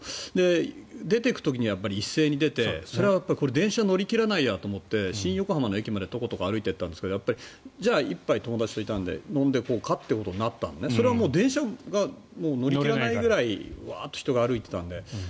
出ていくときには一斉に出てそれは電車に乗り切らないやと思って新横浜の駅までトコトコ歩いていったんですがじゃあ、１杯、友達といたので飲もうかとなったんだけどそれは電車に乗り切れないぐらいワーッと人が歩いていたので。